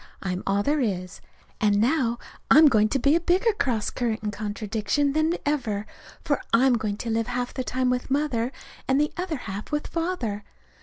I'm all there is. And now I'm going to be a bigger cross current and contradiction than ever, for I'm going to live half the time with Mother and the other half with Father.